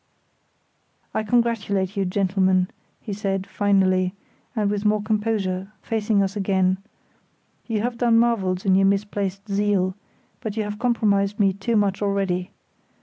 "I congratulate you, gentlemen," he said, finally, and with more composure, facing us again, "you have done marvels in your misplaced zeal; but you have compromised me too much already.